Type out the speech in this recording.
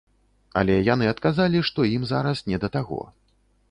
Але яны адказалі, што ім зараз не да таго.